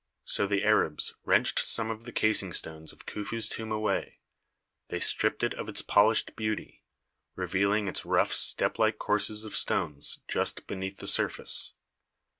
So the Arabs wrenched some of the casing stones of Khufu's tomb away; they stripped it of its polished beauty, revealing its rough step like courses of stones just beneath its surface.